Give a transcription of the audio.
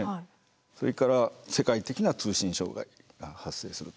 それから世界的な通信障害が発生する。